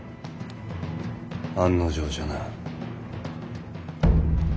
案の定じゃな。